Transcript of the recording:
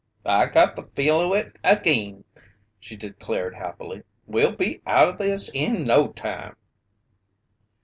"I got the feel o' it agin!" she declared happily. "We'll be out o' this in no time!"